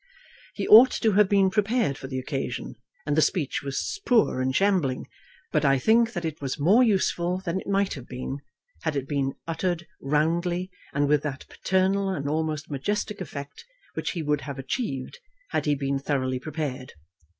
He ought to have been prepared for the occasion, and the speech was poor and shambling. But I think that it was more useful than it might have been, had it been uttered roundly and with that paternal and almost majestic effect which he would have achieved had he been thoroughly prepared.